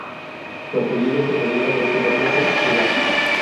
Su apellido se deriva de ese nombre de lugar.